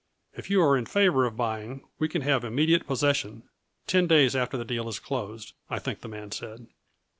If you are in favor of buying, we can have immediate possession; ten days after the deal is closed, I think the man said."